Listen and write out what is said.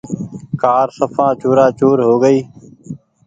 ڪآر سڦان چورآ چور هو گئي ۔